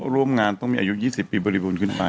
ร่วมงานต้องมีอายุ๒๐ปีบริบูรณ์ขึ้นไป